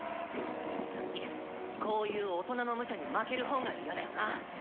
それにこういう大人のムチャに負ける方が嫌だよな。